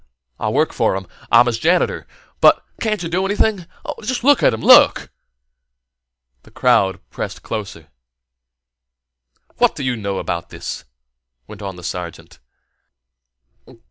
"I work for him. I'm his janitor. But can't you do anything? Look at him! Look!" The crowd pressed closer. "What do you know about this?" went on the sergeant.